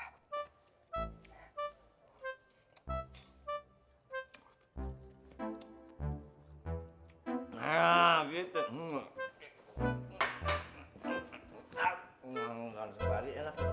ruh mau ambil perlengkapan dulu di rumah